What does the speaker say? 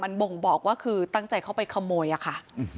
มันบ่งบอกว่าคือตั้งใจเข้าไปขโมยอะค่ะ